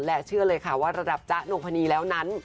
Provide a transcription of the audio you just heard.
และเชื่อเลยค่ะว่าระดับจ๊ะนงพนีแล้วนั้น